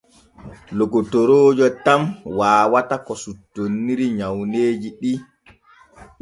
Lokotoroojo tan waawata ko suttontiri nyawneeji ɗi.